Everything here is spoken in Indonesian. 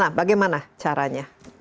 nah bagaimana caranya